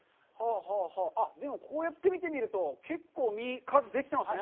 でも、こうやって見てみると、結構、実、数ができていますね。